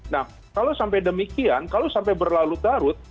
nah kalau sampai demikian kalau sampai berlarut larut